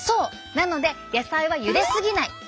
なので野菜はゆですぎない！